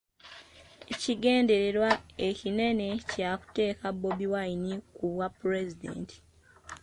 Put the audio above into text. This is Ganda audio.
Ekigendererwa ekinene kyakuteeka Bobi Wine ku bwa pulezidenti.